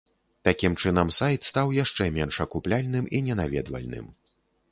Такім чынам, сайт стаў яшчэ менш акупляльным і ненаведвальным.